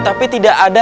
tapi tidak ada